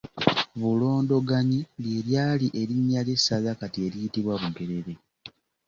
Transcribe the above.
Bulondoganyi ly’eryali erinnya ly’essaza kati eriyitibwa Bugerere.